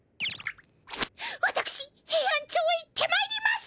わたくしヘイアンチョウへ行ってまいります！